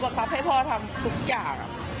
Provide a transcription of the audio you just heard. ครับให้พ่อทำทุกอย่าง